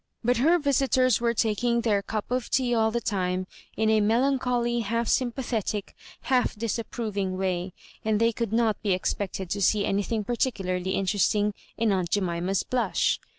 But her visitors were taking their cup of tea all the time, in a melancholy, half sympa thetic, half disapproving way, and they could not be expected to see anything particularly interest* ing in aunt Jemima's blush.